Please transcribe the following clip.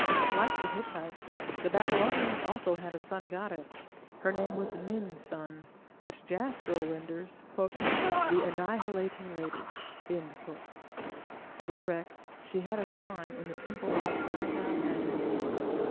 Like the Hittites, the Babylonians had also a sun goddess: her name was Nin sun, which Jastrow renders "the annihilating lady". At Erech she had a shrine in the temple of the sky god Anu.